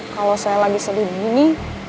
kalau saya lagi sedih begini